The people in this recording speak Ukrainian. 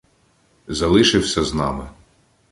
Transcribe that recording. Залишився з нами.